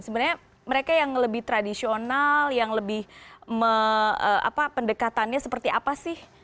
sebenarnya mereka yang lebih tradisional yang lebih pendekatannya seperti apa sih